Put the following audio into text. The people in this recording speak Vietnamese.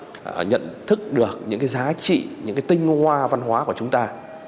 chúng ta nhận thức được những cái giá trị những cái tinh hoa văn hóa của chúng ta